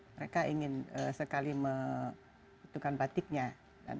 mereka ingin sekali menentukan batiknya